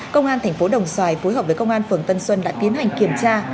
công an thành phố đồng xoài phối hợp với công an phường tân xuân đã tiến hành kiểm tra